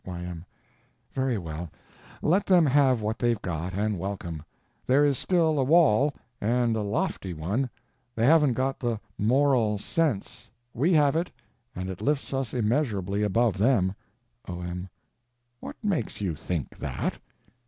Y.M. Very well, let them have what they've got, and welcome; there is still a wall, and a lofty one. They haven't got the Moral Sense; we have it, and it lifts us immeasurably above them. O.M. What makes you think that?